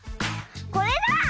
これだ！